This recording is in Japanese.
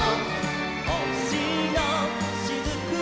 「ほしのしずくは」